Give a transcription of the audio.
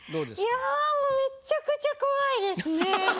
いやもうめちゃくちゃ怖いですね。